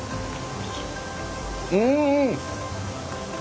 うん！